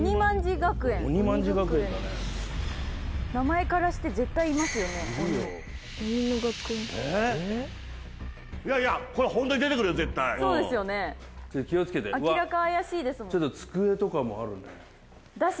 「鬼卍学園」名前からして絶対いますよね鬼鬼の学校みたいいやいやこれホントに出てくるよ絶対そうですよね明らか怪しいですもんちょっと机とかもあるねだし